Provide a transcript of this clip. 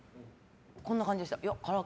こんな感じでした。